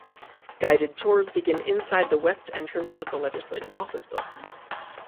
Guided tours begin inside the West Entrance of the Legislative Office Building.